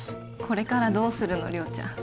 これからどうするの亮ちゃん